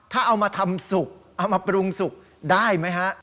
ถ้าเอามาทำสุกเอามาปรุงสุกได้ไหมฮะ